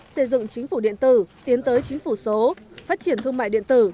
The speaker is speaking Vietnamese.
xây dựng chính phủ điện tử tiến tới chính phủ số phát triển thương mại điện tử